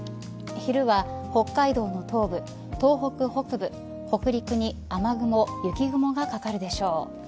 昼は北海道の東部、東北北部北陸に雨雲雪雲がかかるでしょう。